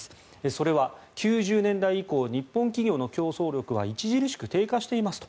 それは９０年代以降日本企業の競争力は著しく低下していますと。